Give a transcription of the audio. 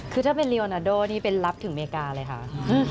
คือถ้าเป็นเรียวนาโดนี่เป็นรับถึงอเมริกาเลยค่ะ